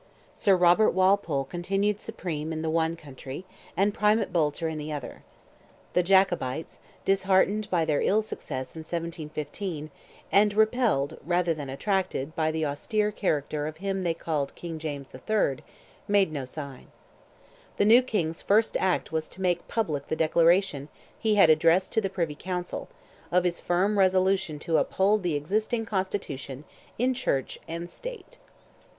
Sir Robert Walpole continued supreme in the one country, and Primate Boulter in the other. The Jacobites, disheartened by their ill success in 1715, and repelled rather than attracted by the austere character of him they called King James III., made no sign. The new King's first act was to make public the declaration he had addressed to the Privy Council, of his firm resolution to uphold the existing constitution "in church and state."